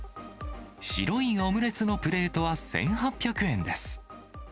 白いオムレツのプレートは１８００円です。